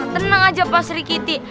tenang aja pasur kitih